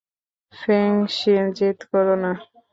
ফেংশি, জেদ কোরো না।